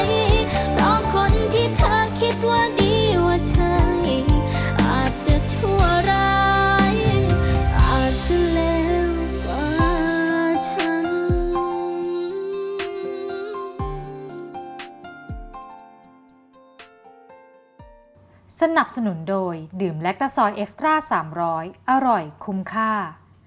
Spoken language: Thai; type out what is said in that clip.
เพราะคนที่เธอคิดว่าดีว่าใช่อาจจะชั่วร้ายอาจจะแล้วว่าฉัน